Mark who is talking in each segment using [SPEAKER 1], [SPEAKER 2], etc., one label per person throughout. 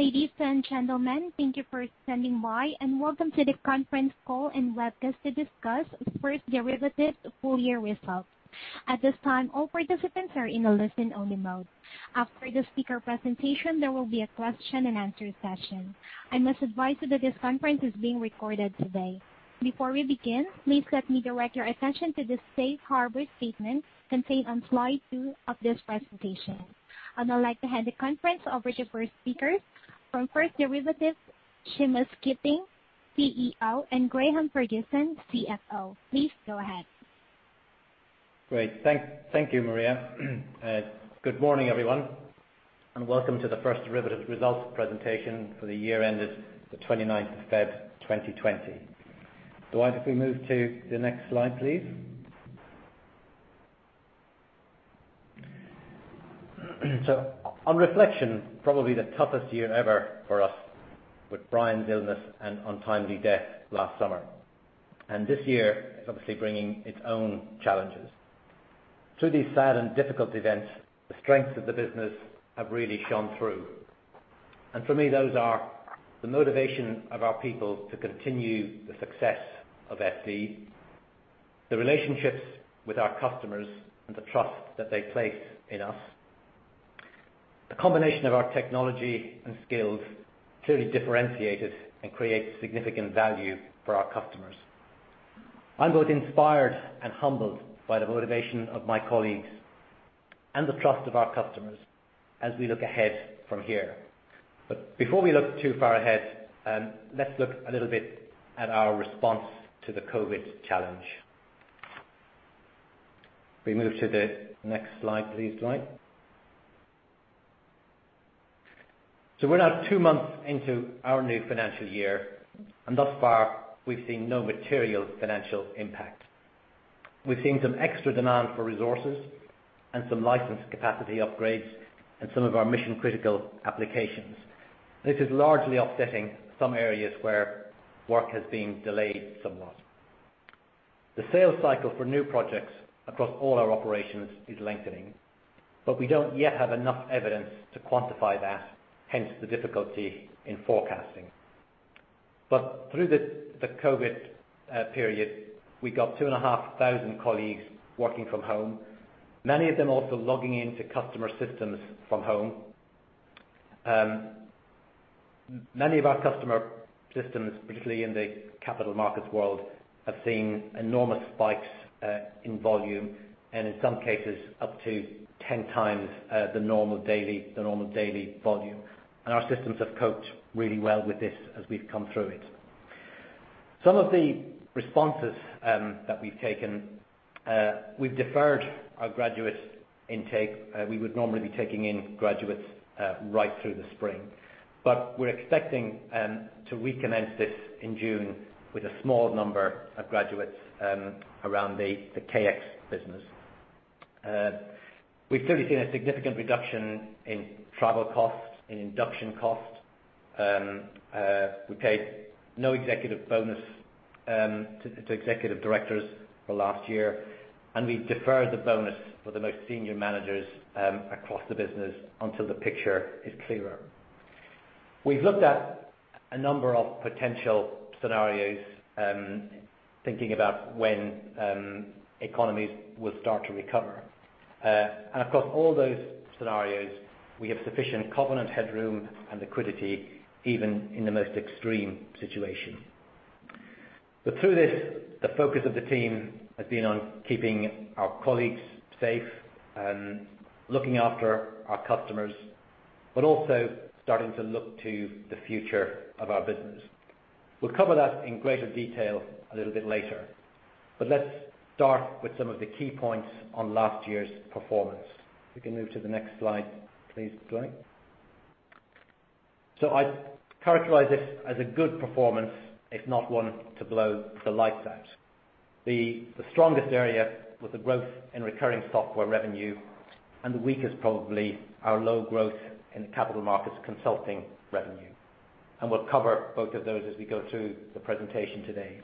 [SPEAKER 1] Ladies and gentlemen, thank you for standing by, welcome to the conference call and webcast to discuss FD Technologies' full year results. At this time, all participants are in a listen-only mode. After the speaker presentation, there will be a question and answer session. I must advise you that this conference is being recorded today. Before we begin, please let me direct your attention to the safe harbor statement contained on slide two of this presentation. I'd now like to hand the conference over to our speakers from FD Technologies, Seamus Keating, CEO, and Graham Ferguson, CFO. Please go ahead.
[SPEAKER 2] Great. Thank you, Maria. Good morning, everyone, and welcome to the First Derivatives results presentation for the year ended the 29th of February 2020. Dwight, if we move to the next slide, please. On reflection, probably the toughest year ever for us with Brian's illness and untimely death last summer. This year is obviously bringing its own challenges. Through these sad and difficult events, the strengths of the business have really shone through. For me, those are the motivation of our people to continue the success of FD, the relationships with our customers and the trust that they place in us, the combination of our technology and skills clearly differentiated and creates significant value for our customers. I'm both inspired and humbled by the motivation of my colleagues and the trust of our customers as we look ahead from here. Before we look too far ahead, let's look a little bit at our response to the COVID challenge. Can we move to the next slide, please, Dwight? We're now two months into our new financial year, and thus far, we've seen no material financial impact. We've seen some extra demand for resources and some license capacity upgrades in some of our mission-critical applications. This is largely offsetting some areas where work has been delayed somewhat. The sales cycle for new projects across all our operations is lengthening, but we don't yet have enough evidence to quantify that, hence the difficulty in forecasting. Through the COVID period, we got 2,500 colleagues working from home, many of them also logging into customer systems from home. Many of our customer systems, particularly in the capital markets world, have seen enormous spikes in volume, and in some cases, up to 10 times the normal daily volume. Our systems have coped really well with this as we've come through it. Some of the responses that we've taken, we've deferred our graduate intake. We would normally be taking in graduates right through the spring. We're expecting to recommence this in June with a small number of graduates around the KX business. We've certainly seen a significant reduction in travel costs, in induction costs. We paid no executive bonus to executive directors for last year, and we deferred the bonus for the most senior managers across the business until the picture is clearer. We've looked at a number of potential scenarios, thinking about when economies will start to recover. Across all those scenarios, we have sufficient covenant headroom and liquidity even in the most extreme situation. Through this, the focus of the team has been on keeping our colleagues safe and looking after our customers, but also starting to look to the future of our business. We'll cover that in greater detail a little bit later. Let's start with some of the key points on last year's performance. If we can move to the next slide, please, Dwight. I'd characterize this as a good performance, if not one to blow the lights out. The strongest area was the growth in recurring software revenue, and the weakest probably our low growth in capital markets consulting revenue. We'll cover both of those as we go through the presentation today.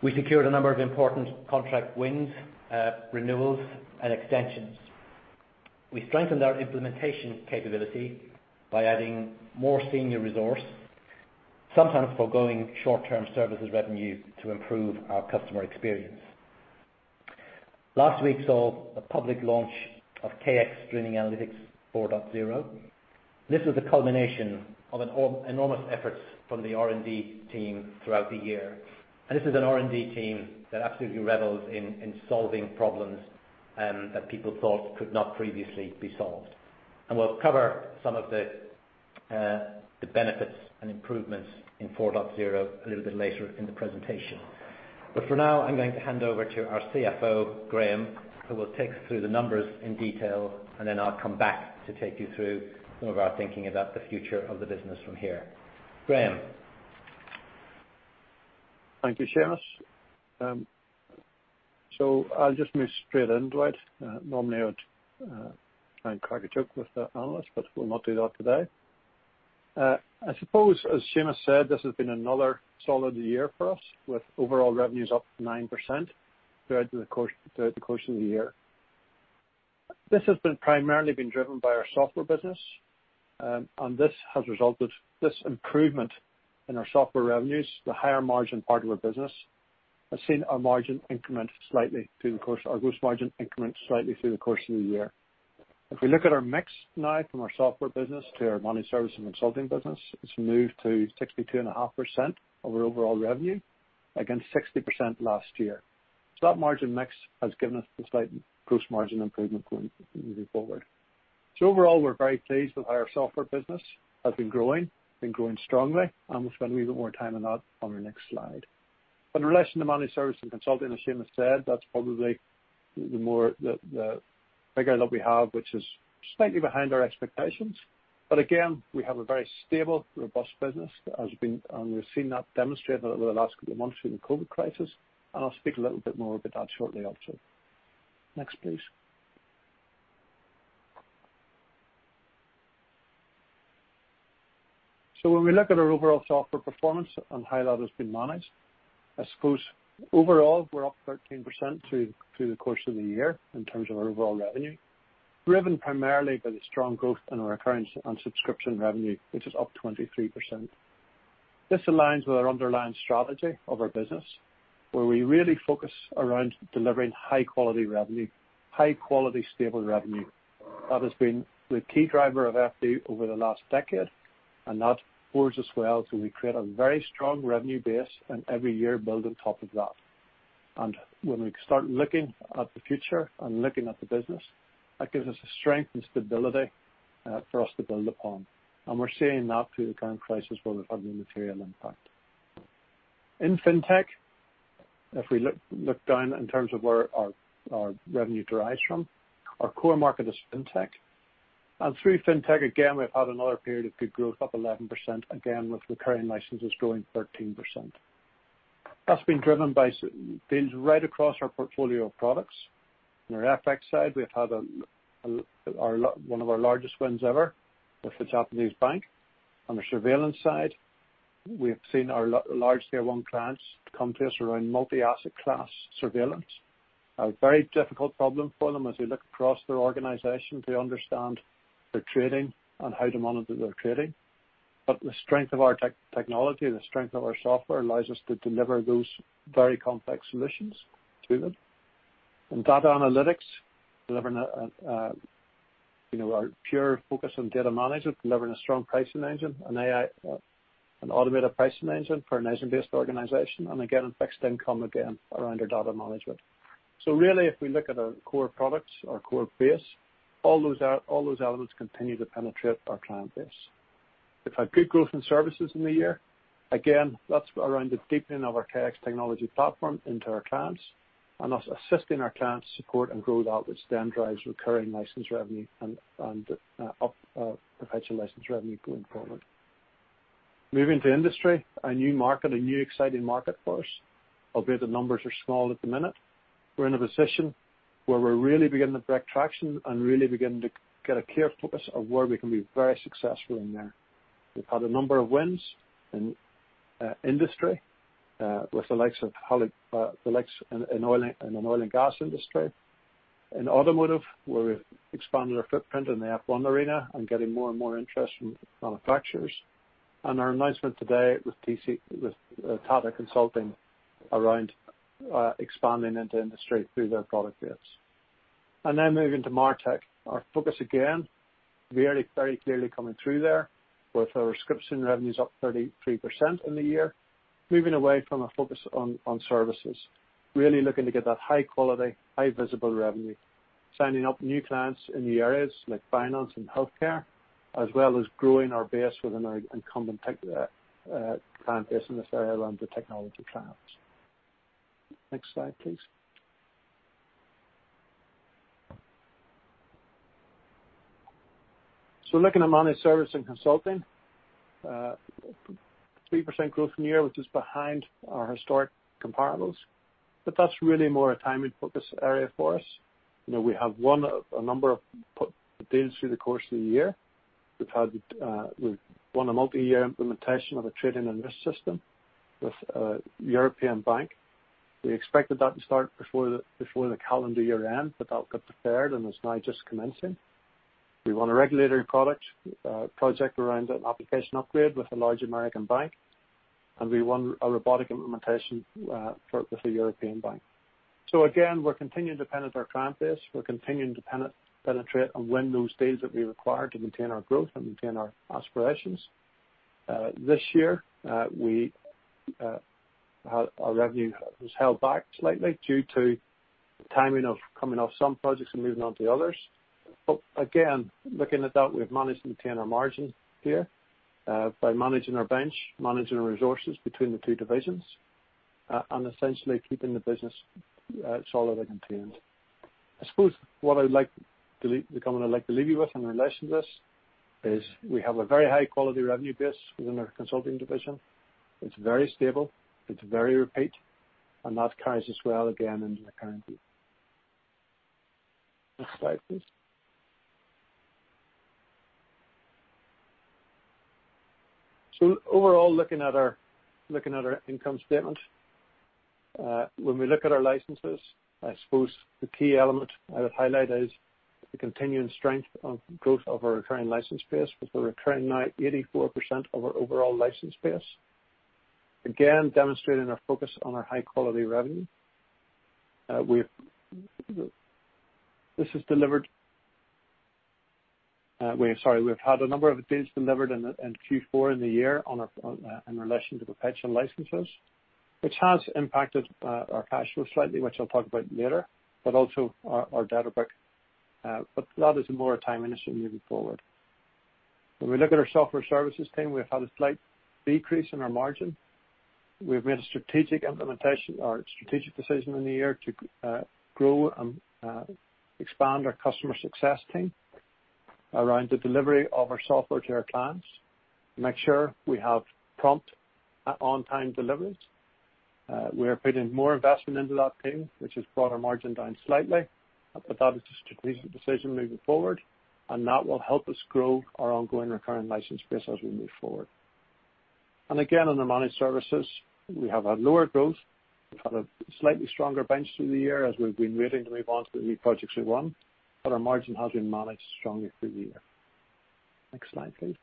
[SPEAKER 2] We secured a number of important contract wins, renewals, and extensions. We strengthened our implementation capability by adding more senior resource, sometimes foregoing short-term services revenue to improve our customer experience. Last week saw the public launch of KX Streaming Analytics 4.0. This was a culmination of enormous efforts from the R&D team throughout the year. This is an R&D team that absolutely revels in solving problems that people thought could not previously be solved. We'll cover some of the benefits and improvements in 4.0 a little bit later in the presentation. For now, I'm going to hand over to our CFO, Graham, who will take us through the numbers in detail, then I'll come back to take you through some of our thinking about the future of the business from here. Graham?
[SPEAKER 3] Thank you, Seamus. I'll just move straight in, Dwight. Normally I would try and crack a joke with the analysts, but we'll not do that today. I suppose, as Seamus said, this has been another solid year for us, with overall revenues up 9% throughout the course of the year. This has been primarily driven by our software business, and this has resulted this improvement in our software revenues, the higher margin part of our business, has seen our gross margin increment slightly through the course of the year. If we look at our mix now from our software business to our managed service and consulting business, it's moved to 62.5% of our overall revenue against 60% last year. That margin mix has given us a slight gross margin improvement moving forward. Overall, we're very pleased with how our software business has been growing strongly, and we'll spend a wee bit more time on that on our next slide. In relation to managed service and consulting, as Seamus has said, that's probably the bigger look we have, which is slightly behind our expectations. Again, we have a very stable, robust business. We've seen that demonstrated over the last couple of months through the COVID crisis, and I'll speak a little bit more about that shortly also. Next, please. When we look at our overall software performance and how that has been managed, I suppose overall we're up 13% through the course of the year in terms of our overall revenue, driven primarily by the strong growth in our recurring and subscription revenue, which is up 23%. This aligns with our underlying strategy of our business, where we really focus around delivering high-quality revenue, high-quality, stable revenue. That has been the key driver of FD over the last decade, and that pours as well. We create a very strong revenue base and every year build on top of that. When we start looking at the future and looking at the business, that gives us a strength and stability for us to build upon. We're seeing that through the current crisis where we've had no material impact. In fintech, if we look down in terms of where our revenue derives from, our core market is fintech. Through fintech, again, we've had another period of good growth, up 11% again with recurring licenses growing 13%. That's been driven by deals right across our portfolio of products. On our FX side, we've had one of our largest wins ever with a Japanese bank. On the surveillance side, we have seen our large tier 1 clients come to us around multi-asset class surveillance. A very difficult problem for them as they look across their organization to understand their trading and how to monitor their trading. The strength of our technology and the strength of our software allows us to deliver those very complex solutions to them. In data analytics, delivering our pure focus on data management, delivering a strong pricing engine, an AI, an automated pricing engine for an [Asian-based] organization, and again, in fixed income again around our data management. Really, if we look at our core products, our core base, all those elements continue to penetrate our client base. We've had good growth in services in the year. Again, that's around the deepening of our KX technology platform into our clients and us assisting our clients support and grow that which then drives recurring license revenue and up perpetual license revenue going forward. Moving to industry, a new market, a new exciting market for us. Albeit the numbers are small at the minute, we're in a position where we're really beginning to break traction and really beginning to get a clear focus of where we can be very successful in there. We've had a number of wins in industry, with the likes in an oil and gas industry. In automotive, where we've expanded our footprint in the F1 arena and getting more and more interest from manufacturers. Our announcement today with Tata Consultancy Services around expanding into industry through their product base. Then moving to MarTech, our focus, again, very clearly coming through there with our subscription revenues up 33% in the year. Moving away from a focus on services, really looking to get that high quality, high visible revenue, signing up new clients in new areas like finance and healthcare, as well as growing our base with an incumbent tech client base in this area around the technology clients. Next slide, please. Looking at managed service and consulting, 3% growth in the year, which is behind our historic comparables. That's really more a timing focus area for us. We have won a number of deals through the course of the year. We've won a multi-year implementation of a trading and risk system with a European bank. We expected that to start before the calendar year end, but that got deferred and is now just commencing. We won a regulatory project around an application upgrade with a large American bank, and we won a robotic implementation with a European bank. Again, we're continuing to penetrate our client base. We're continuing to penetrate and win those deals that we require to maintain our growth and maintain our aspirations. This year, our revenue was held back slightly due to timing of coming off some projects and moving on to others. Again, looking at that, we've managed to maintain our margin here by managing our bench, managing our resources between the two divisions, and essentially keeping the business solid and contained. I suppose what the comment I'd like to leave you with in relation to this is we have a very high-quality revenue base within our consulting division. It's very stable, it's very repeat, and that carries us well again into the current year. Next slide, please. Overall, looking at our income statement, when we look at our licenses, I suppose the key element I would highlight is the continuing strength of growth of our recurring license base, with the recurring now 84% of our overall license base. We have had a number of deals delivered in Q4 in the year in relation to perpetual licenses, which has impacted our cash flow slightly, which I'll talk about later, but also our debtors book. That is more a timing issue moving forward. When we look at our software services team, we've had a slight decrease in our margin. We've made a strategic decision in the year to grow and expand our customer success team around the delivery of our software to our clients to make sure we have prompt on-time deliveries. We are putting more investment into that team, which has brought our margin down slightly. That is a strategic decision moving forward, and that will help us grow our ongoing recurring license base as we move forward. Again, on the managed services, we have had lower growth. We've had a slightly stronger bench through the year as we've been waiting to move on to the new projects we won. Our margin has been managed strongly through the year. Next slide, please.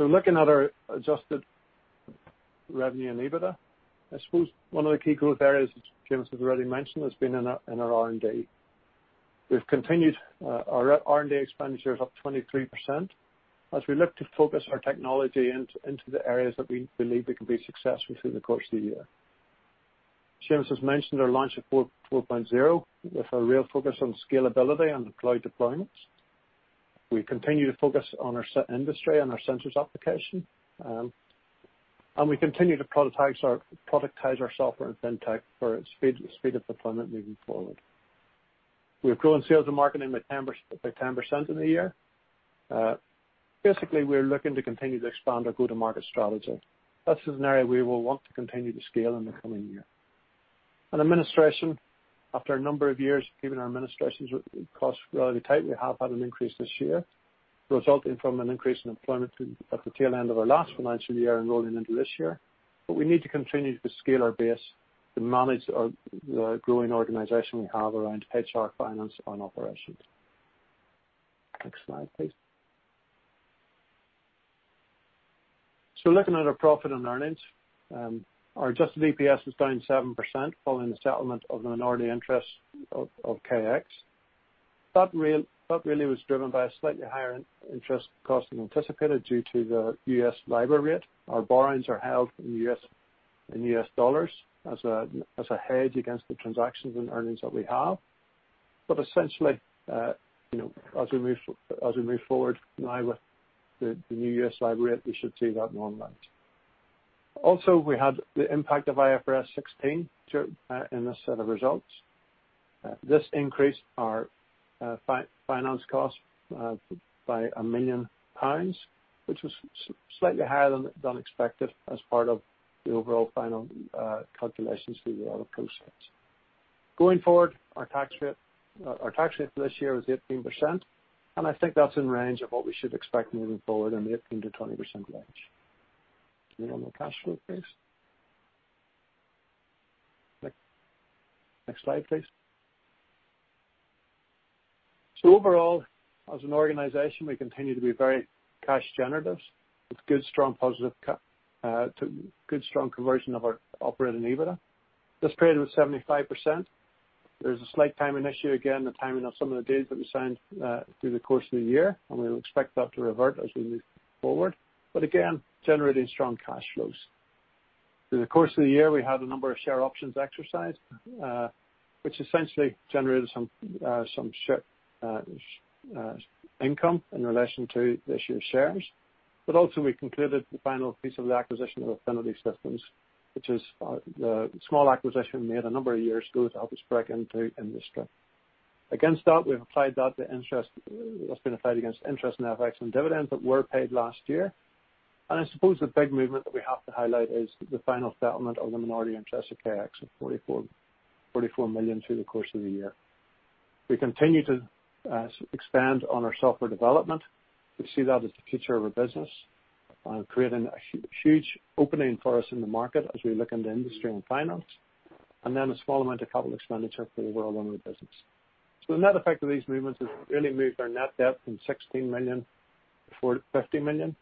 [SPEAKER 3] Looking at our adjusted revenue and EBITDA, I suppose one of the key growth areas, which Seamus has already mentioned, has been in our R&D. Our R&D expenditure is up 23% as we look to focus our technology into the areas that we believe we can be successful through the course of the year. Seamus has mentioned our launch of 4.0 with a real focus on scalability and deployed deployments. We continue to focus on our industry and our sensors application. We continue to productize our software in FinTech for speed of deployment moving forward. We have grown sales and marketing by 10% in the year. Basically, we are looking to continue to expand our go-to-market strategy. That is an area we will want to continue to scale in the coming year. Administration, after a number of years of keeping our administration costs relatively tight, we have had an increase this year resulting from an increase in employment at the tail end of our last financial year and rolling into this year. We need to continue to scale our base to manage the growing organization we have around HR, finance, and operations. Next slide, please. Looking at our profit and earnings, our adjusted EPS is down 7% following the settlement of the minority interest of KX. That really was driven by a slightly higher interest cost than anticipated due to the US LIBOR rate. Our borrowings are held in US dollars as a hedge against the transactions and earnings that we have. Essentially, as we move forward now with the new US LIBOR rate, we should see that normalize. Also, we had the impact of IFRS 16 in this set of results. This increased our finance cost by 1 million pounds, which was slightly higher than expected as part of the overall final calculations through the audit process. Going forward, our tax rate for this year was 18%, and I think that's in range of what we should expect moving forward in the 18%-20% range. Can we have more cash flow, please? Next slide, please. Overall, as an organization, we continue to be very cash generative with good, strong conversion of our operating EBITDA. This period was 75%. There's a slight timing issue, again, the timing of some of the deals that we signed through the course of the year, and we will expect that to revert as we move forward. Again, generating strong cash flows. Through the course of the year, we had a number of share options exercised, which essentially generated some income in relation to the issued shares. Also, we concluded the final piece of the acquisition of Affinity Systems, which is the small acquisition we made a number of years ago to help us break into industry. Against that's been applied against interest and FX and dividends that were paid last year. I suppose the big movement that we have to highlight is the final settlement of the minority interest of KX of 44 million through the course of the year. We continue to expand on our software development. We see that as the future of our business, creating a huge opening for us in the market as we look into industry and finance. A small amount of capital expenditure for the overall run of the business. The net effect of these movements has really moved our net debt from 16 million to 50 million.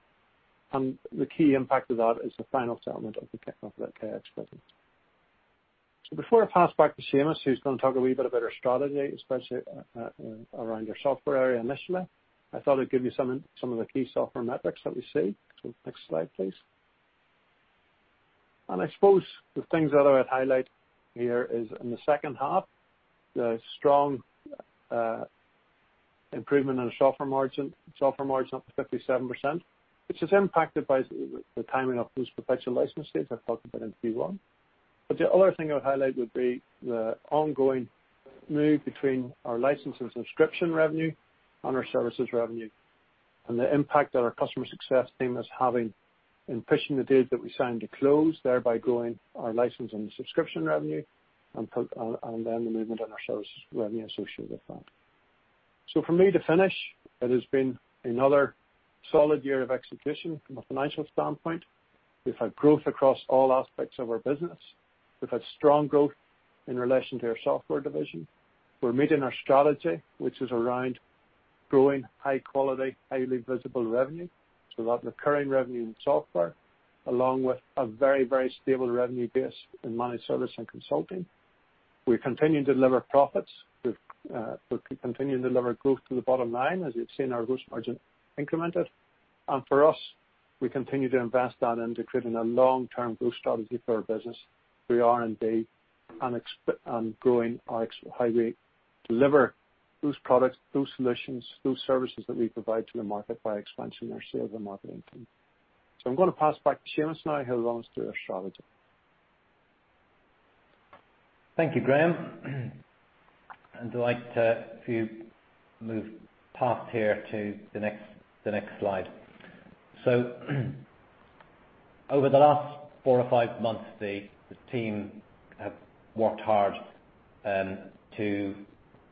[SPEAKER 3] The key impact of that is the final settlement of the KX business. Before I pass back to Seamus, who's going to talk a wee bit about our strategy, especially around our software area initially, I thought I'd give you some of the key software metrics that we see. Next slide, please. I suppose the things that I would highlight here is in the second half, the strong improvement in the software margin up to 57%, which is impacted by the timing of those perpetual license deals I talked about in Q1. The other thing I would highlight would be the ongoing move between our license and subscription revenue and our services revenue. The impact that our customer success team is having in pushing the deals that we sign to close, thereby growing our license and subscription revenue, and then the movement in our services revenue associated with that. For me to finish, it has been another solid year of execution from a financial standpoint. We've had growth across all aspects of our business. We've had strong growth in relation to our software division. We're meeting our strategy, which is around growing high quality, highly visible revenue. A lot of recurring revenue in software, along with a very stable revenue base in managed service and consulting. We continue to deliver profits. We continue to deliver growth to the bottom line. As you've seen, our gross margin incremented. For us, we continue to invest that into creating a long-term growth strategy for our business. We R&D and growing how we deliver those products, those solutions, those services that we provide to the market by expansion our sales and marketing team. I'm going to pass back to Seamus now, who'll run us through our strategy.
[SPEAKER 2] Thank you, Graham. I'd like to, if you move past here to the next slide. Over the last four or five months, the team have worked hard to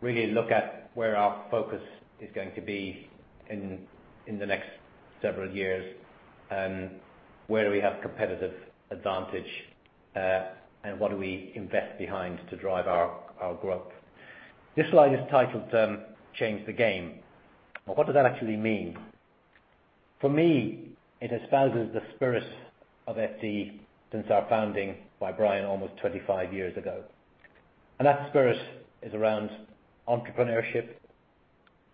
[SPEAKER 2] really look at where our focus is going to be in the next several years, where we have competitive advantage, and what do we invest behind to drive our growth. This slide is titled Change the Game. Well, what does that actually mean? For me, it espouses the spirit of FD since our founding by Brian almost 25 years ago. That spirit is around entrepreneurship,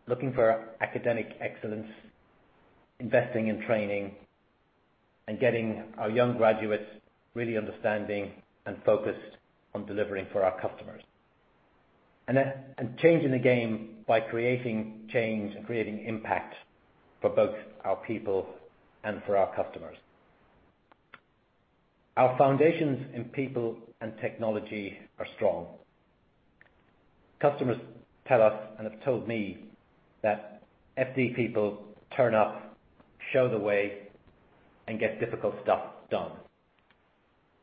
[SPEAKER 2] looking for academic excellence, investing in training, and getting our young graduates really understanding and focused on delivering for our customers. Changing the game by creating change and creating impact for both our people and for our customers. Our foundations in people and technology are strong. Customers tell us, and have told me, that FD people turn up, show the way, and get difficult stuff done.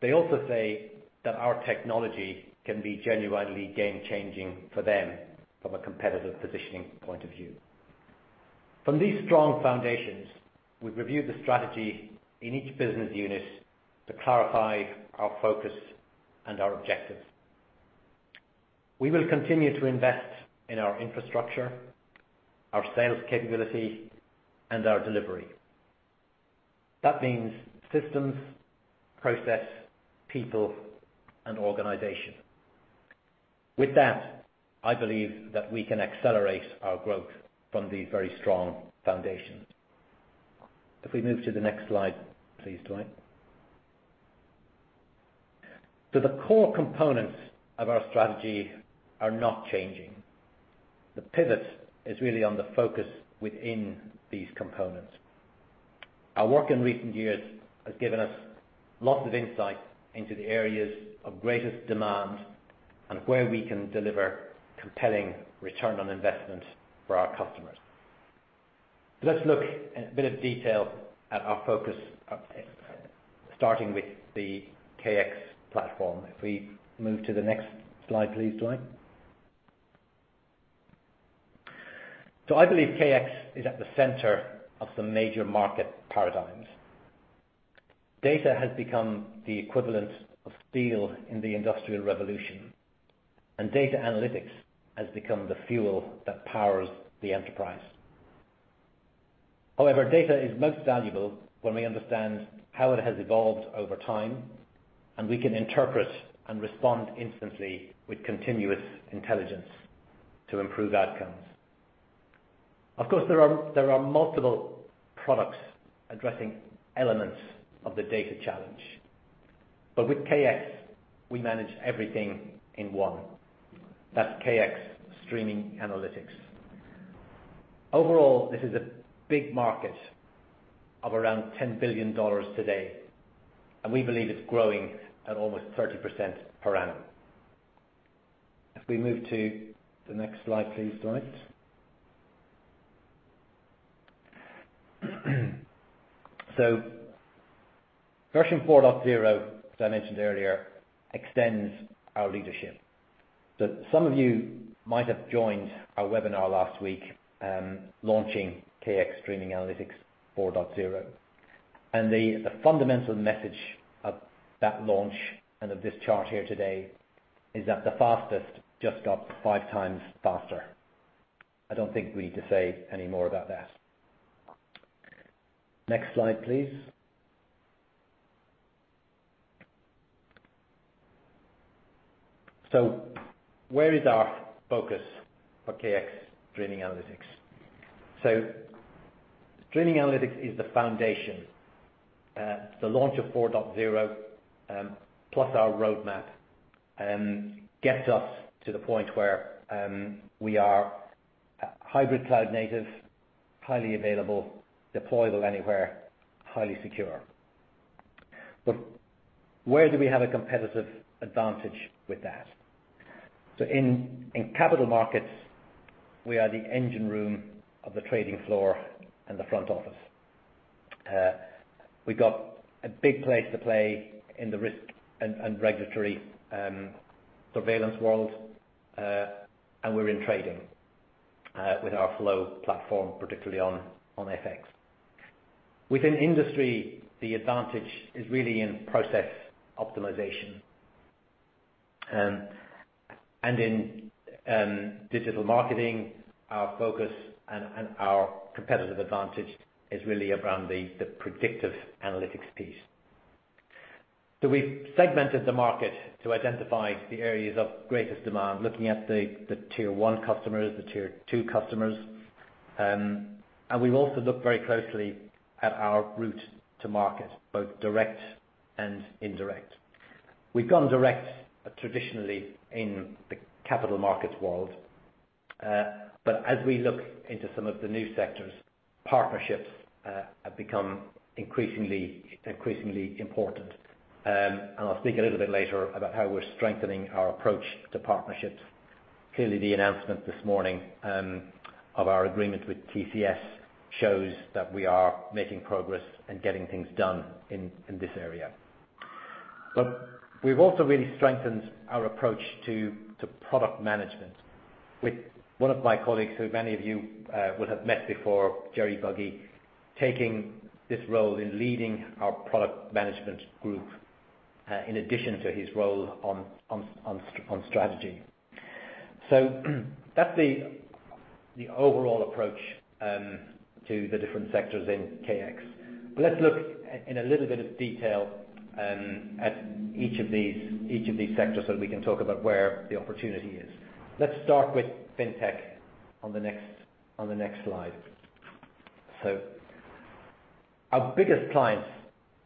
[SPEAKER 2] They also say that our technology can be genuinely game-changing for them from a competitive positioning point of view. From these strong foundations, we've reviewed the strategy in each business unit to clarify our focus and our objectives. We will continue to invest in our infrastructure, our sales capability, and our delivery. That means systems, process, people, and organization. With that, I believe that we can accelerate our growth from the very strong foundations. If we move to the next slide, please, Dwight. The core components of our strategy are not changing. The pivot is really on the focus within these components. Our work in recent years has given us lots of insight into the areas of greatest demand and where we can deliver compelling return on investment for our customers. Let's look in a bit of detail at our focus, starting with the KX platform. If we move to the next slide, please, Dwight. I believe KX is at the center of some major market paradigms. Data has become the equivalent of steel in the industrial revolution, and data analytics has become the fuel that powers the enterprise. However, data is most valuable when we understand how it has evolved over time, and we can interpret and respond instantly with continuous intelligence to improve outcomes. Of course, there are multiple products addressing elements of the data challenge. With KX, we manage everything in one. That's KX Streaming Analytics. Overall, this is a big market of around GBP 10 billion today, and we believe it's growing at almost 30% per annum. If we move to the next slide, please, Dwight. Version 4.0, as I mentioned earlier, extends our leadership. Some of you might have joined our webinar last week, launching KX Streaming Analytics 4.0. The fundamental message of that launch and of this chart here today is that the fastest just got five times faster. I don't think we need to say any more about that. Next slide, please. Where is our focus for KX Streaming Analytics? Streaming Analytics is the foundation. The launch of 4.0, plus our roadmap, gets us to the point where we are hybrid cloud native, highly available, deployable anywhere, highly secure. Where do we have a competitive advantage with that? In capital markets, we are the engine room of the trading floor and the front office. We've got a big place to play in the risk and regulatory surveillance world, and we're in trading with our Flow platform, particularly on FX. Within industry, the advantage is really in process optimization. In digital marketing, our focus and our competitive advantage is really around the predictive analytics piece. We've segmented the market to identify the areas of greatest demand, looking at the tier 1 customers, the tier 2 customers, and we've also looked very closely at our route to market, both direct and indirect. We've gone direct traditionally in the capital markets world. As we look into some of the new sectors, partnerships have become increasingly important. I'll speak a little bit later about how we're strengthening our approach to partnerships. Clearly, the announcement this morning of our agreement with TCS shows that we are making progress and getting things done in this area. We've also really strengthened our approach to product management with one of my colleagues, who many of you will have met before, Gerry Buggy, taking this role in leading our Product Management Group, in addition to his role on strategy. That's the overall approach to the different sectors in KX. Let's look in a little bit of detail at each of these sectors so that we can talk about where the opportunity is. Let's start with fintech on the next slide. Our biggest clients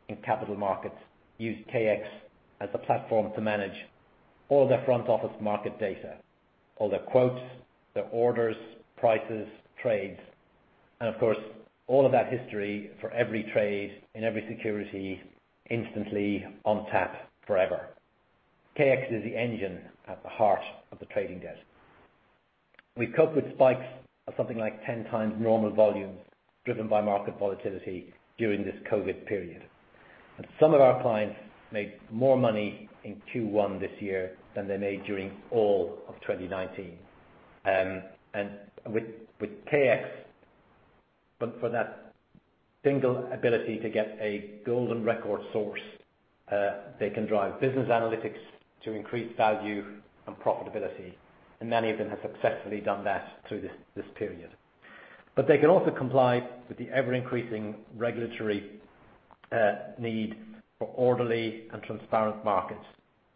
[SPEAKER 2] in capital markets use KX as the platform to manage all their front-office market data, all their quotes, their orders, prices, trades, and of course, all of that history for every trade in every security instantly on tap forever. KX is the engine at the heart of the trading desk. We've coped with spikes of something like 10 times normal volumes driven by market volatility during this COVID period. Some of our clients made more money in Q1 this year than they made during all of 2019. With KX, but for that single ability to get a golden record source, they can drive business analytics to increase value and profitability, and many of them have successfully done that through this period. They can also comply with the ever-increasing regulatory need for orderly and transparent markets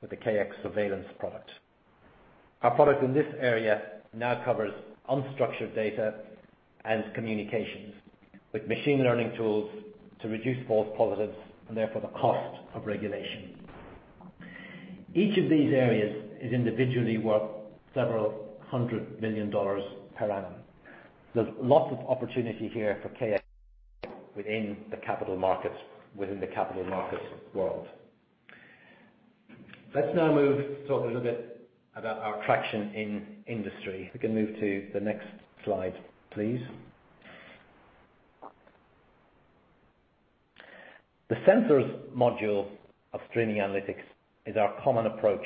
[SPEAKER 2] with the KX surveillance product. Our product in this area now covers unstructured data and communications with machine learning tools to reduce false positives and therefore the cost of regulation. Each of these areas is individually worth several hundred million GBP per annum. There's lots of opportunity here for KX within the capital markets world. Let's now move to talk a little bit about our traction in industry. We can move to the next slide, please. The sensors module of KX Streaming Analytics is our common approach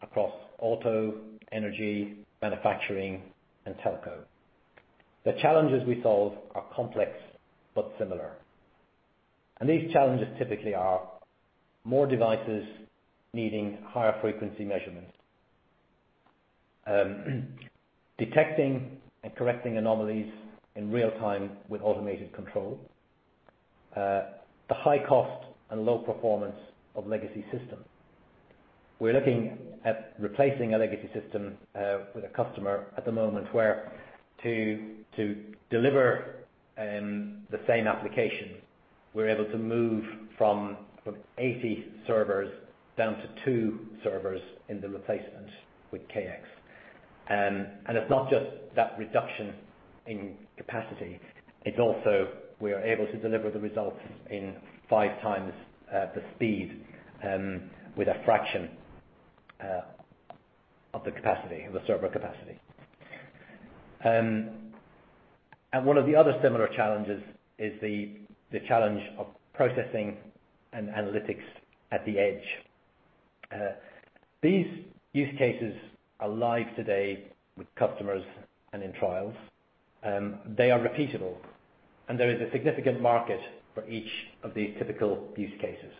[SPEAKER 2] across auto, energy, manufacturing, and telco. The challenges we solve are complex but similar. These challenges typically are more devices needing higher frequency measurements. Detecting and correcting anomalies in real time with automated control. The high cost and low performance of legacy systems. We're looking at replacing a legacy system with a customer at the moment, where to deliver the same application, we're able to move from 80 servers down to two servers in the replacement with KX. It's not just that reduction in capacity, it's also we are able to deliver the results in 5 times the speed, with a fraction of the server capacity. One of the other similar challenges is the challenge of processing and analytics at the edge. These use cases are live today with customers and in trials. They are repeatable, and there is a significant market for each of these typical use cases.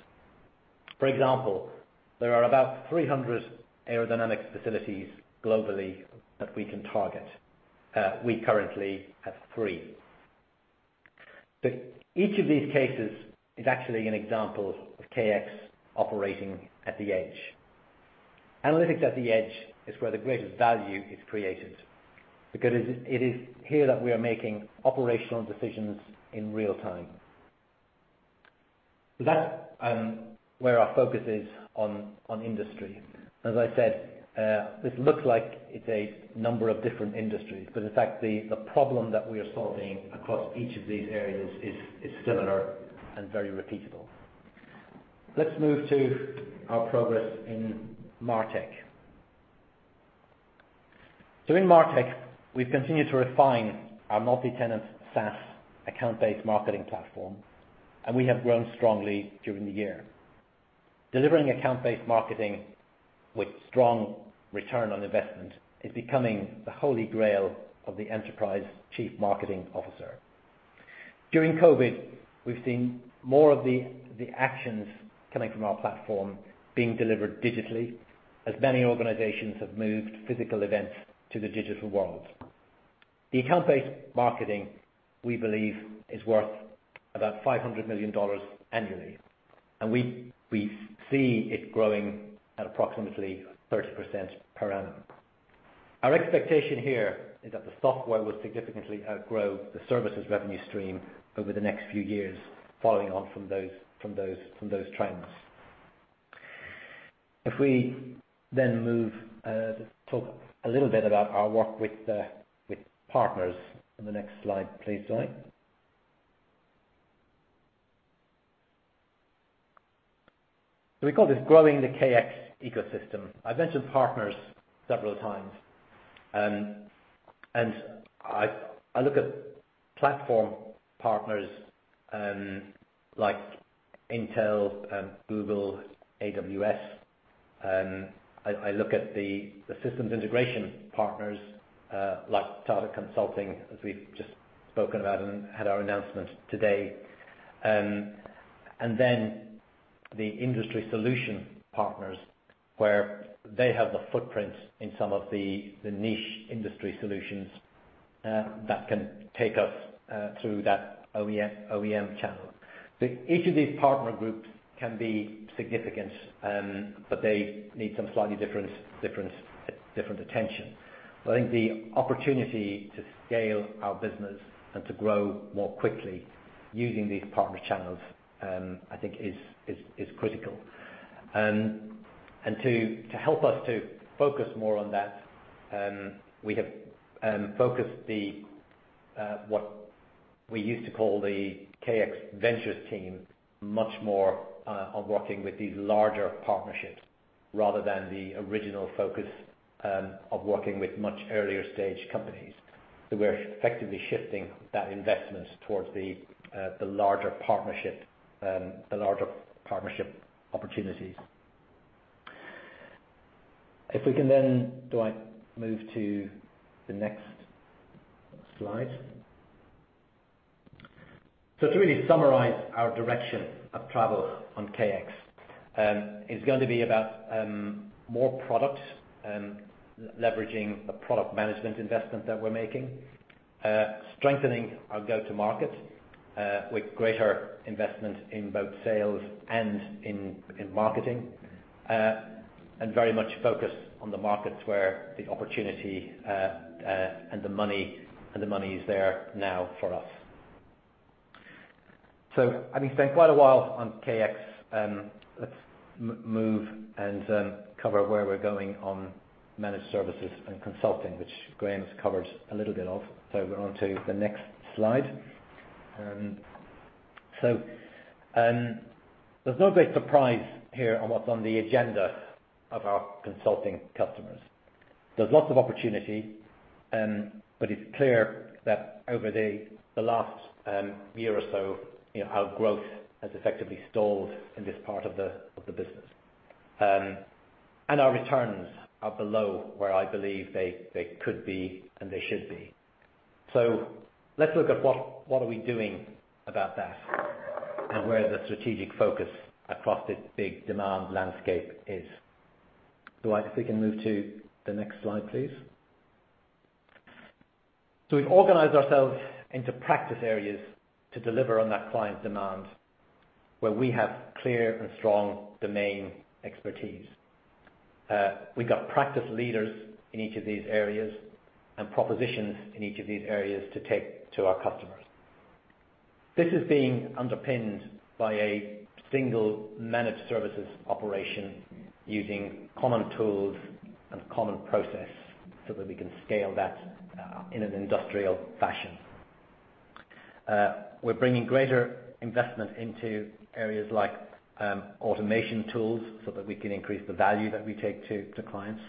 [SPEAKER 2] For example, there are about 300 aerodynamic facilities globally that we can target. We currently have three. Each of these cases is actually an example of KX operating at the edge. Analytics at the edge is where the greatest value is created because it is here that we are making operational decisions in real time. That's where our focus is on industry. As I said, this looks like it's a number of different industries, but in fact, the problem that we are solving across each of these areas is similar and very repeatable. Let's move to our progress in MarTech. In MarTech, we've continued to refine our multi-tenant SaaS account-based marketing platform, and we have grown strongly during the year. Delivering account-based marketing with strong return on investment is becoming the holy grail of the enterprise Chief Marketing Officer. During COVID, we've seen more of the actions coming from our platform being delivered digitally, as many organizations have moved physical events to the digital world. The account-based marketing, we believe, is worth about $500 million annually, and we see it growing at approximately 30% per annum. Our expectation here is that the software will significantly outgrow the services revenue stream over the next few years, following on from those trends. If we move, talk a little bit about our work with partners in the next slide, please, Dwight. We call this growing the KX ecosystem. I've mentioned partners several times. I look at platform partners like Intel and Google, AWS. I look at the systems integration partners, like Tata Consulting, as we've just spoken about and had our announcement today. The industry solution partners, where they have the footprints in some of the niche industry solutions that can take us through that OEM channel. Each of these partner groups can be significant, they need some slightly different attention. I think the opportunity to scale our business and to grow more quickly using these partner channels, I think is critical. To help us to focus more on that, we have focused what we used to call the KX Ventures team much more on working with these larger partnerships rather than the original focus of working with much earlier-stage companies. We're effectively shifting that investment towards the larger partnership opportunities. If we can, Dwight, move to the next slide. To really summarize our direction of travel on KX, it's going to be about more products, leveraging the product management investment that we're making, strengthening our go-to-market with greater investment in both sales and in marketing, and very much focused on the markets where the opportunity and the money is there now for us. I've been spending quite a while on KX. Let's move and cover where we're going on managed services and consulting, which Graham's covered a little bit of. We're on to the next slide. There's no great surprise here on what's on the agenda of our consulting customers. There's lots of opportunity, but it's clear that over the last year or so, our growth has effectively stalled in this part of the business. Our returns are below where I believe they could be and they should be. Let's look at what are we doing about that and where the strategic focus across this big demand landscape is. Dwight, if we can move to the next slide, please. We've organized ourselves into practice areas to deliver on that client demand, where we have clear and strong domain expertise. We've got practice leaders in each of these areas and propositions in each of these areas to take to our customers. This is being underpinned by a single managed services operation using common tools and common process so that we can scale that in an industrial fashion. We're bringing greater investment into areas like automation tools so that we can increase the value that we take to clients.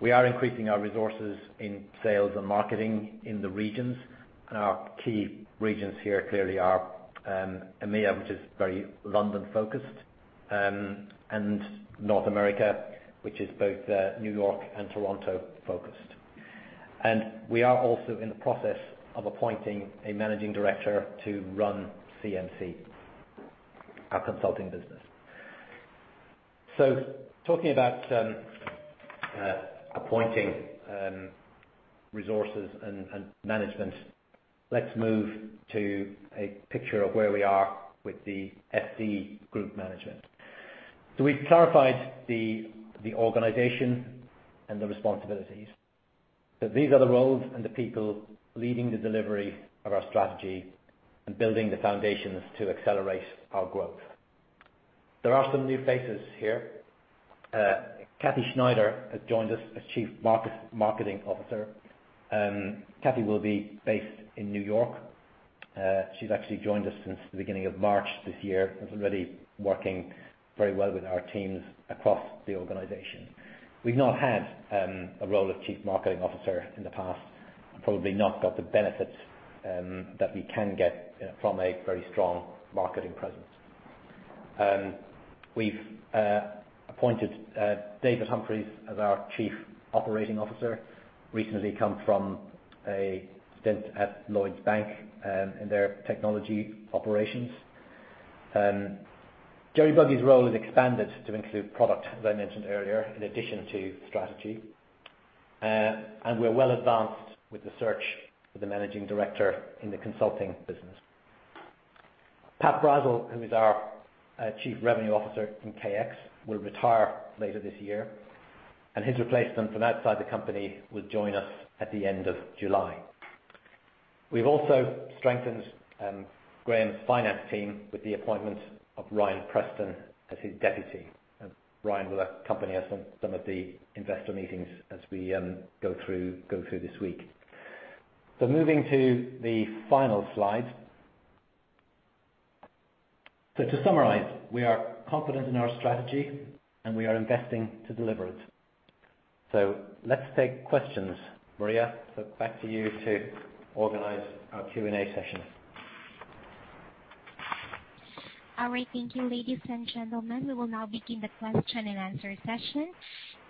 [SPEAKER 2] We are increasing our resources in sales and marketing in the regions. Our key regions here clearly are EMEA, which is very London-focused, and North America, which is both New York and Toronto-focused. We are also in the process of appointing a managing director to run CMC, our consulting business. Talking about appointing resources and management, let's move to a picture of where we are with the FD group management. We've clarified the organization and the responsibilities. These are the roles and the people leading the delivery of our strategy and building the foundations to accelerate our growth. There are some new faces here. Kathy Schneider has joined us as Chief Marketing Officer. Kathy will be based in New York. She's actually joined us since the beginning of March this year and is already working very well with our teams across the organization. We've not had a role of Chief Marketing Officer in the past, and probably not got the benefits that we can get from a very strong marketing presence. We've appointed David Humphries as our Chief Operating Officer. Recently come from a stint at Lloyds Bank in their technology operations. Gerry Buggy's role has expanded to include product, as I mentioned earlier, in addition to strategy. We're well advanced with the search for the managing director in the consulting business. Pat Brazel, who is our Chief Revenue Officer in KX, will retire later this year. His replacement from outside the company will join us at the end of July. We've also strengthened Graham's finance team with the appointment of Ryan Preston as his deputy. Ryan will accompany us on some of the investor meetings as we go through this week. Moving to the final slide. To summarize, we are confident in our strategy. We are investing to deliver it. Let's take questions. Maria, back to you to organize our Q&A session.
[SPEAKER 1] All right. Thank you, ladies and gentlemen. We will now begin the question and answer session.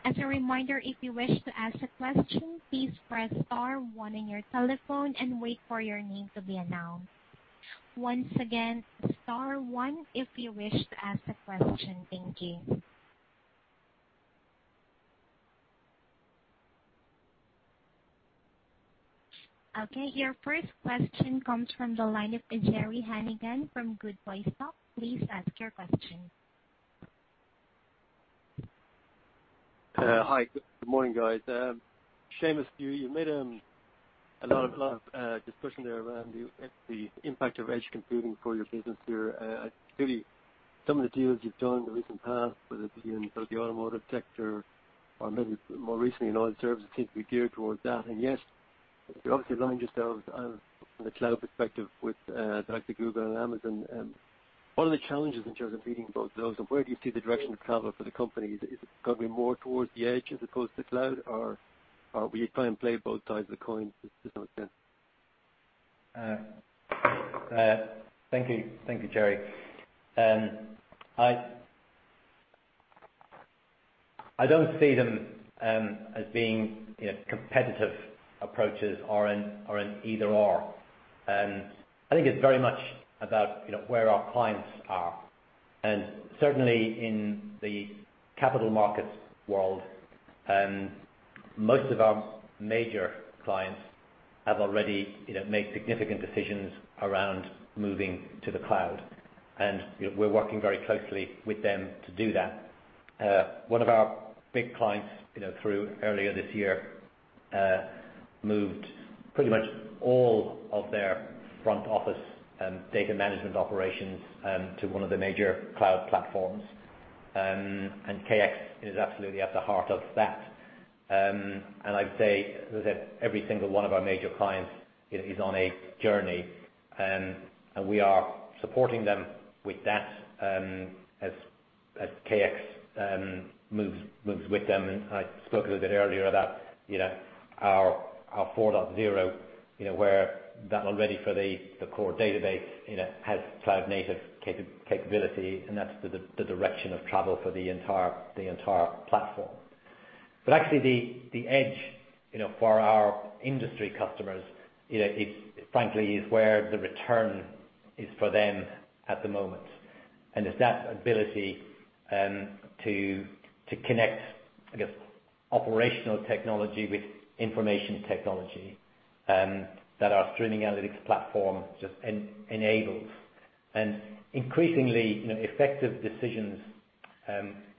[SPEAKER 1] As a reminder, if you wish to ask a question, please press star one on your telephone and wait for your name to be announced. Once again, star one if you wish to ask a question. Thank you. Okay, your first question comes from the line of Gerry Hannigan from Goodbody Stockbrokers. Please ask your question.
[SPEAKER 4] Hi. Good morning, guys. Seamus, you made a lot of discussion there around the impact of edge computing for your business there. Clearly, some of the deals you've done in the recent past, whether it be in the automotive sector or maybe more recently in oil and service, seem to be geared towards that. Yet, you're obviously aligning yourselves on the cloud perspective with the likes of Google and Amazon. What are the challenges in terms of beating both those, and where do you see the direction of travel for the company? Is it going to be more towards the edge as opposed to cloud, or will you try and play both sides of the coin, if that makes sense?
[SPEAKER 2] Thank you, Gerry. I don't see them as being competitive approaches or an either/or. I think it's very much about where our clients are. Certainly in the capital markets world, most of our major clients have already made significant decisions around moving to the cloud, and we're working very closely with them to do that. One of our big clients earlier this year moved pretty much all of their front office data management operations to one of the major cloud platforms, and KX is absolutely at the heart of that. I'd say that every single one of our major clients is on a journey, and we are supporting them with that as KX moves with them. I spoke a little bit earlier about our 4.0, where that one already for the core database has cloud-native capability, and that's the direction of travel for the entire platform. Actually, the edge for our industry customers, frankly, is where the return is for them at the moment. It's that ability to connect, I guess, operational technology with information technology that our streaming analytics platform just enables. Increasingly effective decisions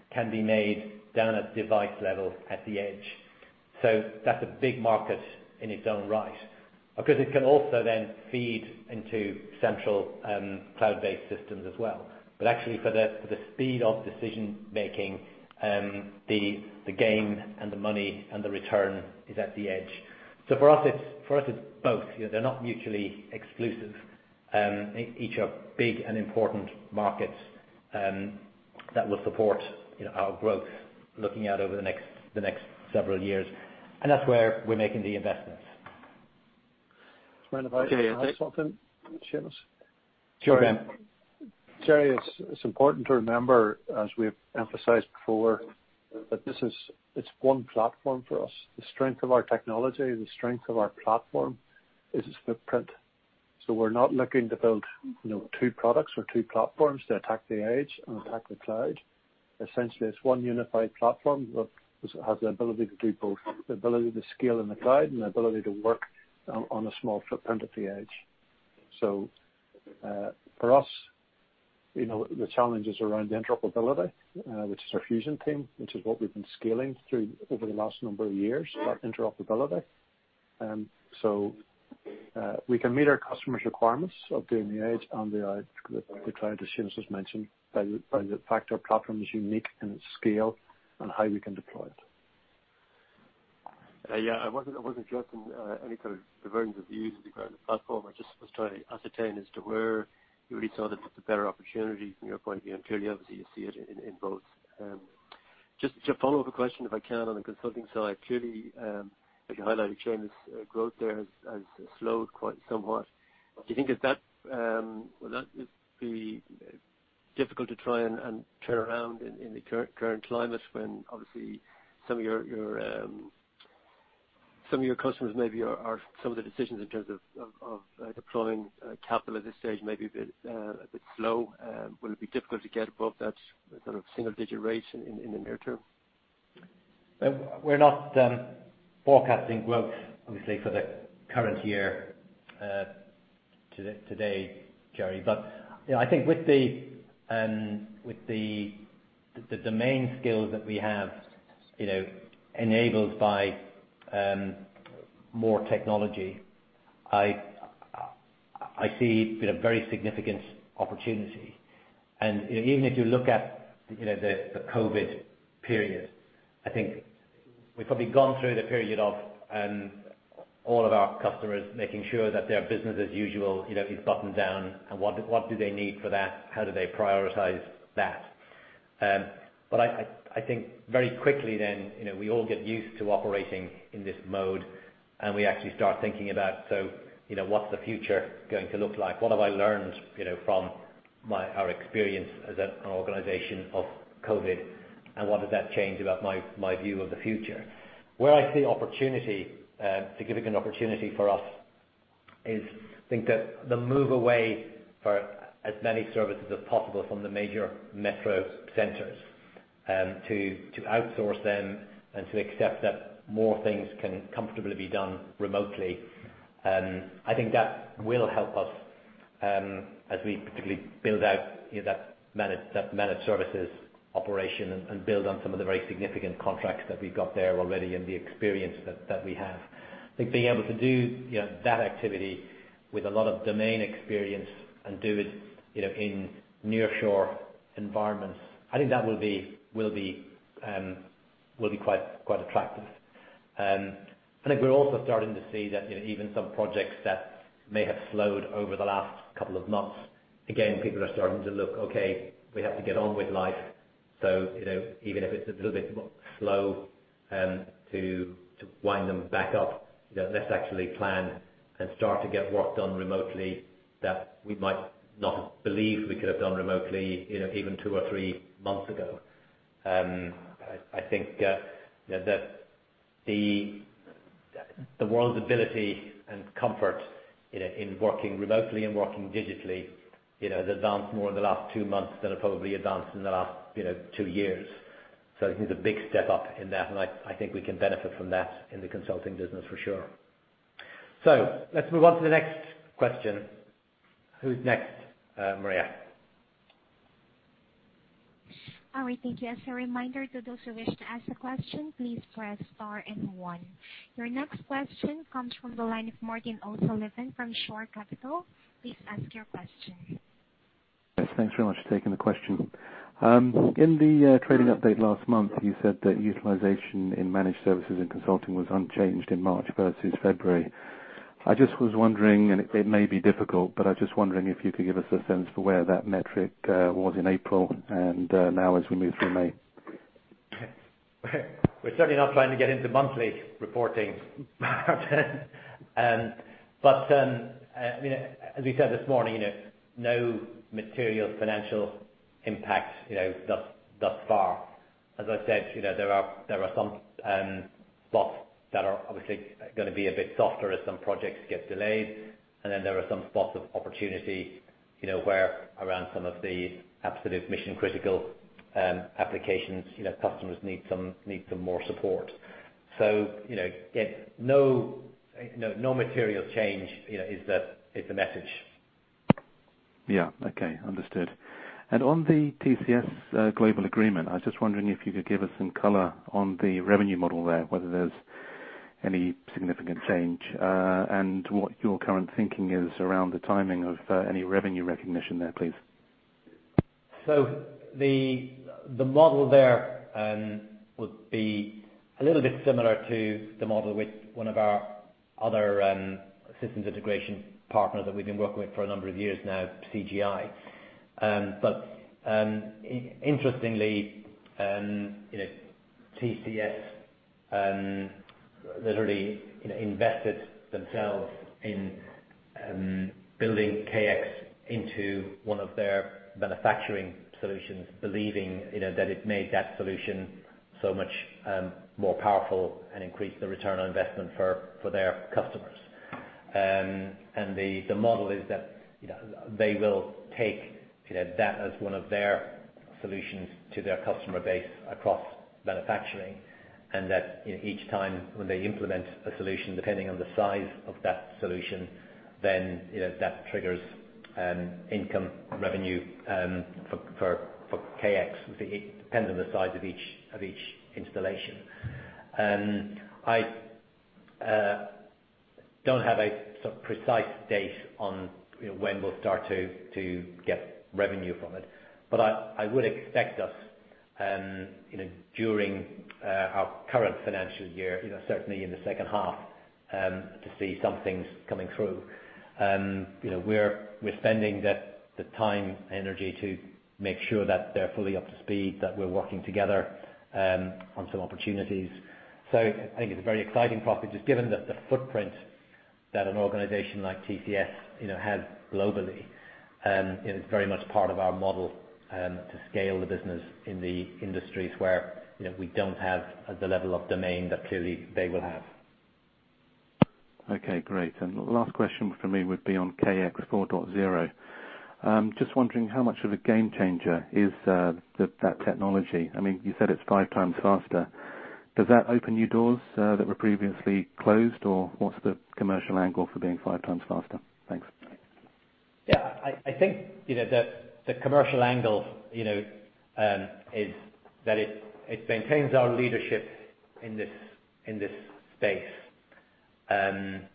[SPEAKER 2] can be made down at device level at the edge. That's a big market in its own right. Of course, it can also then feed into central cloud-based systems as well. Actually for the speed of decision-making, the gain and the money and the return is at the edge. For us, it's both. They're not mutually exclusive. Each are big and important markets that will support our growth looking out over the next several years, and that's where we're making the investments.
[SPEAKER 3] Do you mind if I add something, Seamus?
[SPEAKER 2] Sure.
[SPEAKER 3] Gerry, it's important to remember, as we've emphasized before, that this is one platform for us. The strength of our technology, the strength of our platform is its footprint. We're not looking to build two products or two platforms to attack the edge and attack the cloud. Essentially, it's one unified platform that has the ability to do both. The ability to scale in the cloud and the ability to work on a small footprint at the edge. For us, the challenge is around interoperability, which is our Fusion team, which is what we've been scaling through over the last number of years, that interoperability. We can meet our customers' requirements of doing the edge and the cloud, as Seamus has mentioned, by the fact our platform is unique in its scale and how we can deploy it.
[SPEAKER 4] Yeah, I wasn't just in any kind of divergence of views regarding the platform. I just was trying to ascertain as to where you really saw the better opportunity from your point of view. Clearly, obviously, you see it in both. Just to follow up a question, if I can, on the consulting side. Clearly, as you highlighted, Shane, this growth there has slowed quite somewhat. Do you think will that be difficult to try and turn around in the current climate when obviously some of your customers, maybe some of the decisions in terms of deploying capital at this stage may be a bit slow? Will it be difficult to get above that sort of single-digit rate in the near term?
[SPEAKER 2] We're not forecasting growth, obviously, for the current year today, Gerry. I think with the domain skills that we have enabled by more technology, I see a very significant opportunity. Even if you look at the COVID period, I think we've probably gone through the period of all of our customers making sure that their business as usual is buttoned down, and what do they need for that? How do they prioritize that? I think very quickly then, we all get used to operating in this mode. We actually start thinking about, so what's the future going to look like? What have I learned from our experience as an organization of COVID, and what does that change about my view of the future? Where I see opportunity, significant opportunity for us, is I think that the move away for as many services as possible from the major metro centers, to outsource them and to accept that more things can comfortably be done remotely. I think that will help us, as we particularly build out that managed services operation and build on some of the very significant contracts that we've got there already and the experience that we have. I think being able to do that activity with a lot of domain experience and do it in nearshore environments, I think that will be quite attractive. I think we're also starting to see that even some projects that may have slowed over the last couple of months, again, people are starting to look, okay, we have to get on with life. Even if it's a little bit slow to wind them back up, let's actually plan and start to get work done remotely that we might not believe we could have done remotely even two or three months ago. I think the world's ability and comfort in working remotely and working digitally has advanced more in the last two months than it probably advanced in the last two years. I think there's a big step up in that, and I think we can benefit from that in the consulting business for sure. Let's move on to the next question. Who's next, Maria?
[SPEAKER 1] All right. Thank you. As a reminder to those who wish to ask a question, please press star and one. Your next question comes from the line of Martin O'Sullivan from Shore Capital. Please ask your question.
[SPEAKER 5] Yes, thanks very much for taking the question. In the trading update last month, you said that utilization in managed services and consulting was unchanged in March versus February. I just was wondering, and it may be difficult, but I was just wondering if you could give us a sense for where that metric was in April and now as we move through May?
[SPEAKER 2] We're certainly not trying to get into monthly reporting, Martin. As we said this morning, no material financial impact thus far. As I've said, there are some spots that are obviously going to be a bit softer as some projects get delayed. Then there are some spots of opportunity where around some of the absolute mission-critical applications customers need some more support. No material change is the message.
[SPEAKER 5] Yeah. Okay. Understood. On the TCS global agreement, I was just wondering if you could give us some color on the revenue model there, whether there's any significant change. What your current thinking is around the timing of any revenue recognition there, please.
[SPEAKER 2] The model there would be a little bit similar to the model with one of our other systems integration partners that we've been working with for a number of years now, CGI. Interestingly, TCS literally invested themselves in building KX into one of their manufacturing solutions, believing that it made that solution so much more powerful and increased the return on investment for their customers. The model is that they will take that as one of their solutions to their customer base across manufacturing. Each time when they implement a solution, depending on the size of that solution, then that triggers income revenue for KX. It depends on the size of each installation. Don't have a precise date on when we'll start to get revenue from it. I would expect us during our current financial year, certainly in the second half, to see some things coming through. We're spending the time and energy to make sure that they're fully up to speed, that we're working together on some opportunities. I think it's a very exciting prospect, just given the footprint that an organization like TCS has globally. It's very much part of our model to scale the business in the industries where we don't have the level of domain that clearly they will have.
[SPEAKER 5] Okay, great. The last question from me would be on KX 4.0. Just wondering how much of a game changer is that technology? You said it's five times faster. Does that open new doors that were previously closed? What's the commercial angle for being five times faster? Thanks.
[SPEAKER 2] I think, the commercial angle is that it maintains our leadership in this space. It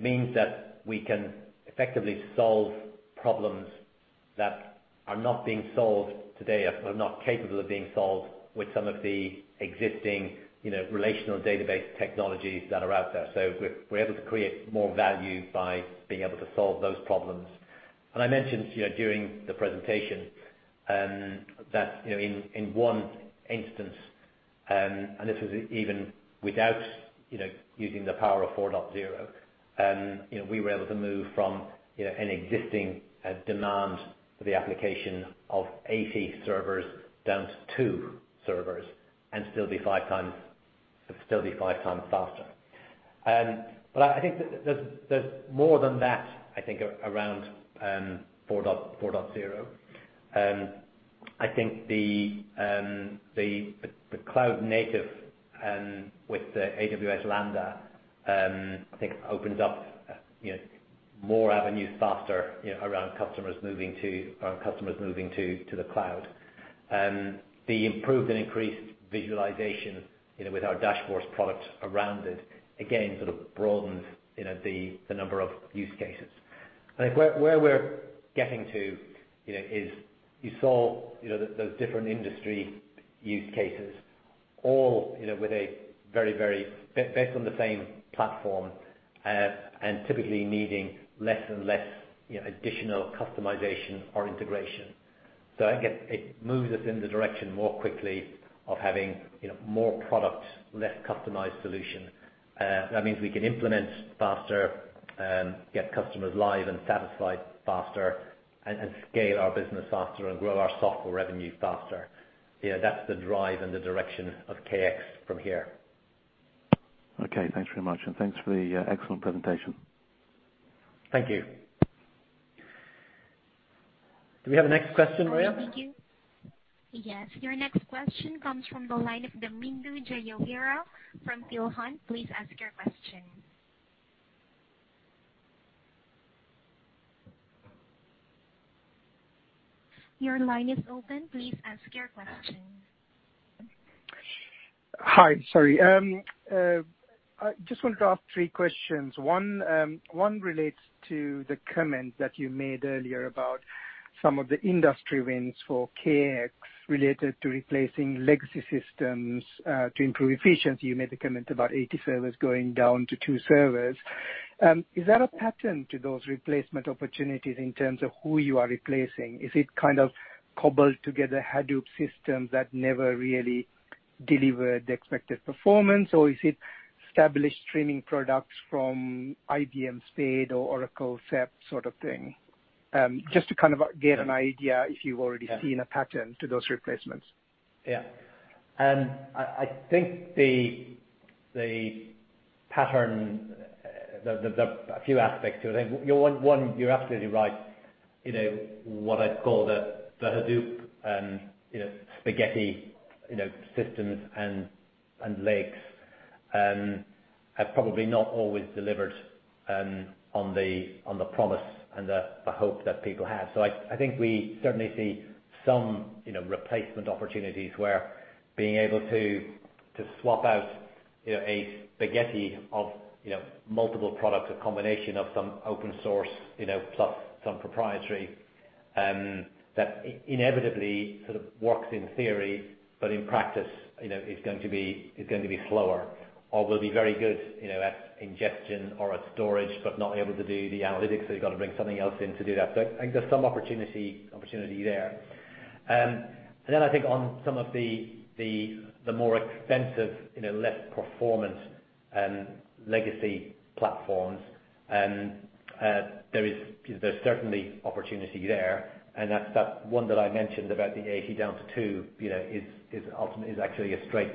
[SPEAKER 2] means that we can effectively solve problems that are not being solved today, or are not capable of being solved with some of the existing relational database technologies that are out there. We're able to create more value by being able to solve those problems. I mentioned during the presentation that, in one instance, and this was even without using the power of 4.0, we were able to move from an existing demand for the application of 80 servers down to two servers and still be five times faster. I think there's more than that around 4.0. I think the cloud native with the AWS Lambda, I think opens up more avenues faster around customers moving to the cloud. The improved and increased visualization with our dashboards products around it, again, sort of broadens the number of use cases. I think where we're getting to is you saw those different industry use cases all based on the same platform, and typically needing less and less additional customization or integration. I guess it moves us in the direction more quickly of having more product, less customized solution. That means we can implement faster, get customers live and satisfied faster, and scale our business faster and grow our software revenue faster. That's the drive and the direction of KX from here.
[SPEAKER 5] Okay, thanks very much, and thanks for the excellent presentation.
[SPEAKER 2] Thank you. Do we have a next question, Maria?
[SPEAKER 1] Thank you. Yes, your next question comes from the line of Damindu Jayaweera from Peel Hunt. Please ask your question. Your line is open. Please ask your question.
[SPEAKER 6] Hi. Sorry. I just wanted to ask 3 questions. One relates to the comment that you made earlier about some of the industry wins for KX related to replacing legacy systems to improve efficiency. You made a comment about 80 servers going down to 2 servers. Is that a pattern to those replacement opportunities in terms of who you are replacing? Is it kind of cobbled together Hadoop systems that never really delivered the expected performance? Or is it established streaming products from IBM SPSS or Oracle CEP sort of thing? Just to kind of get an idea if you've already seen a pattern to those replacements.
[SPEAKER 2] Yeah. I think the pattern, there's a few aspects to it. One, you're absolutely right. What I'd call the Hadoop spaghetti systems and lakes have probably not always delivered on the promise and the hope that people have. I think we certainly see some replacement opportunities where being able to swap out a spaghetti of multiple products, a combination of some open source plus some proprietary, that inevitably sort of works in theory, but in practice is going to be slower or will be very good at ingestion or at storage, but not able to do the analytics, so you've got to bring something else in to do that. I think there's some opportunity there. Then I think on some of the more expensive, less performant legacy platforms, there's certainly opportunity there, and that's that one that I mentioned about the 80 down to two, is actually a straight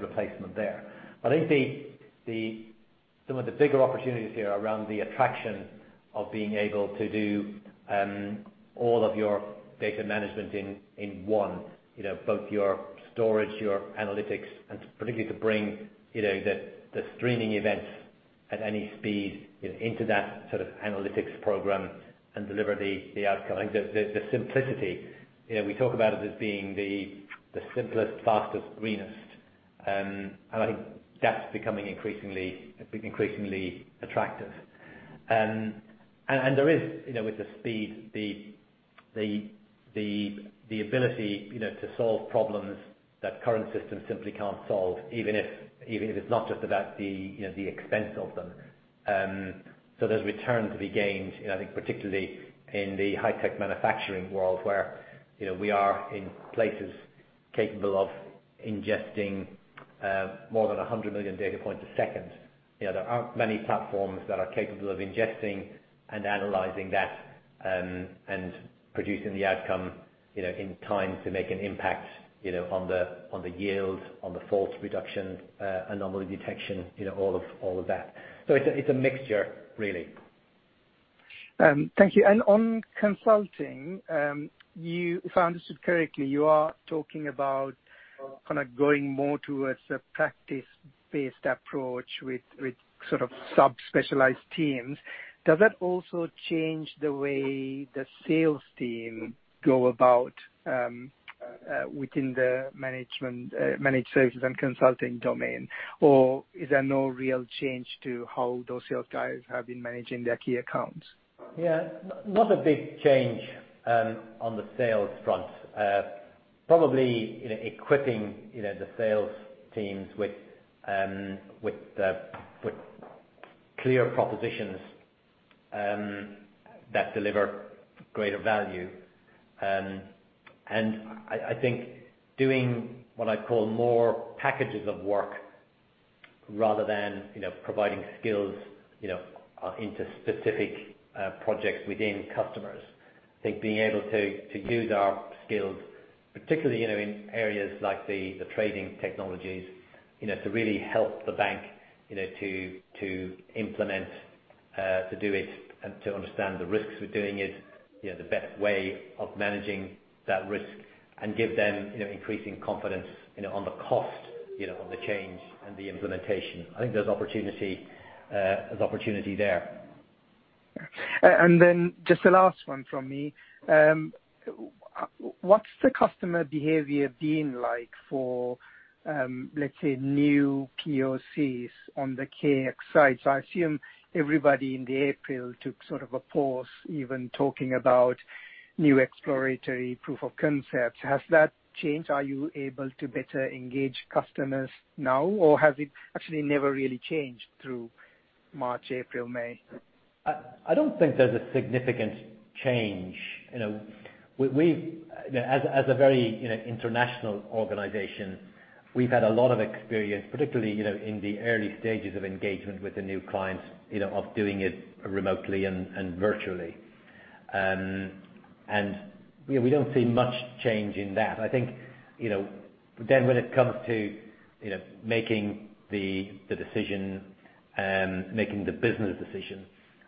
[SPEAKER 2] replacement there. I think some of the bigger opportunities here are around the attraction of being able to do all of your data management in one, both your storage, your analytics, and particularly to bring the streaming events, at any speed into that sort of analytics program and deliver the outcome. I think the simplicity, we talk about it as being the simplest, fastest, greenest, and I think that's becoming increasingly attractive. There is, with the speed, the ability to solve problems that current systems simply can't solve, even if it's not just about the expense of them. There's return to be gained, I think particularly in the high-tech manufacturing world where we are in places capable of ingesting more than 100 million data points a second. There aren't many platforms that are capable of ingesting and analyzing that, and producing the outcome in time to make an impact on the yield, on the fault reduction, anomaly detection, all of that. It's a mixture, really.
[SPEAKER 6] Thank you. On consulting, if I understood correctly, you are talking about kind of going more towards a practice-based approach with sort of sub-specialized teams. Does that also change the way the sales team go about within the managed services and consulting domain, or is there no real change to how those sales guys have been managing their key accounts?
[SPEAKER 2] Yeah. Not a big change on the sales front. Probably equipping the sales teams with clear propositions that deliver greater value. I think doing what I call more packages of work rather than providing skills into specific projects within customers. I think being able to use our skills, particularly in areas like the trading technologies, to really help the bank to implement, to do it, and to understand the risks with doing it, the best way of managing that risk and give them increasing confidence on the cost, on the change and the implementation. I think there's opportunity there.
[SPEAKER 6] Just the last one from me. What's the customer behavior been like for, let's say, new POCs on the KX side? I assume everybody in the April took sort of a pause even talking about new exploratory proof of concepts. Has that changed? Are you able to better engage customers now, or has it actually never really changed through March, April, May?
[SPEAKER 2] I don't think there's a significant change. As a very international organization, we've had a lot of experience, particularly in the early stages of engagement with the new clients of doing it remotely and virtually. We don't see much change in that. I think when it comes to making the decision and making the business decision,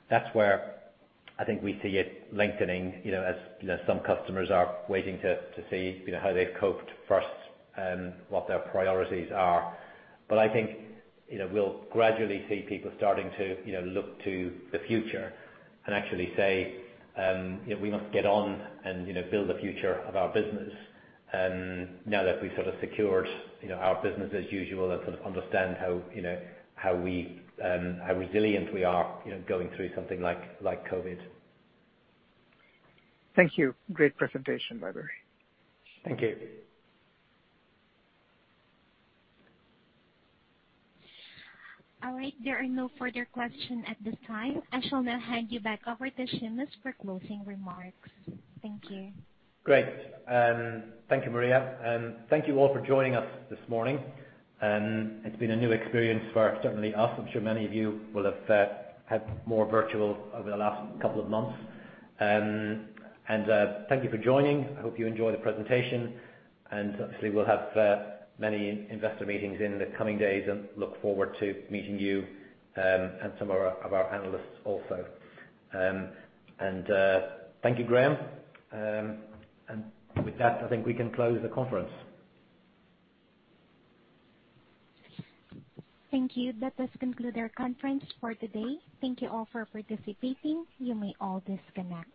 [SPEAKER 2] that's where I think we see it lengthening, as some customers are waiting to see how they've coped first and what their priorities are. I think we'll gradually see people starting to look to the future and actually say, "We must get on and build the future of our business now that we've sort of secured our business as usual and sort of understand how resilient we are going through something like COVID.
[SPEAKER 6] Thank you. Great presentation, Barry.
[SPEAKER 2] Thank you.
[SPEAKER 1] All right. There are no further question at this time. I shall now hand you back over to Seamus for closing remarks. Thank you.
[SPEAKER 2] Great. Thank you, Maria. Thank you all for joining us this morning. It's been a new experience for certainly us. I'm sure many of you will have had more virtual over the last couple of months. Thank you for joining. I hope you enjoyed the presentation, and obviously, we'll have many investor meetings in the coming days and look forward to meeting you, and some of our analysts also. Thank you, Graham. With that, I think we can close the conference.
[SPEAKER 1] Thank you. That does conclude our conference for today. Thank you all for participating. You may all disconnect.